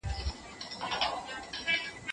مصنوعي ځیرکتیا د ژباړې کار اسانه کړی دی.